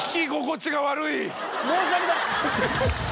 申し訳ない。